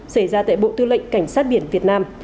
xảy ra tại bộ tư lệnh cảnh sát biển việt nam